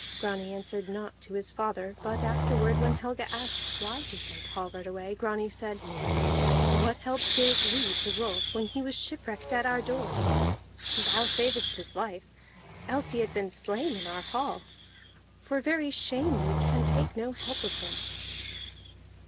Grani answered naught to his father, but afterward when Helga asked why he sent Hallvard away, Grani said, "What help gave we to Rolf when he was shipwrecked at our door? Thou savedst his life, else he had been slain in our hall. For very shame we can take no help of him."